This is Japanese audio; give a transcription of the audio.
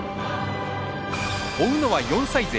追うのは４歳勢。